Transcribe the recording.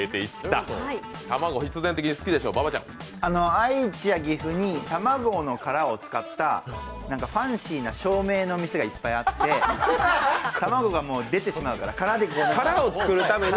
愛知や岐阜に卵の殻を使ったファンシーな照明の店がいっぱいあって卵が出てしまうから、殻を使うために。